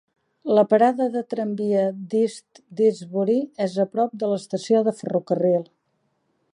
La parada de tramvia de East Didsbury és a prop de l'estació de ferrocarril.